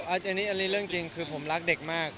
อันนี้อันนี้เรื่องจริงคือผมรักเด็กมาก